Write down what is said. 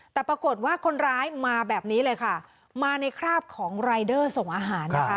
แต่ปรากฏว่าคนร้ายมาแบบนี้เลยค่ะมาในคราบของรายเดอร์ส่งอาหารนะคะ